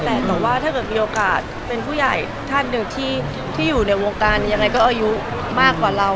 แต่ว่าถ้าเกิดมีโอกาสเป็นผู้ใหญ่ท่านหนึ่งที่อยู่ในวงการยังไงก็อายุมากกว่าเรา